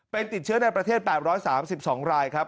เป็นติดเชื้อในประเทศ๘๓๒รายครับ